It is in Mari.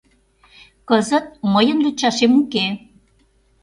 Кызыт мыйын лӱдшашем уке...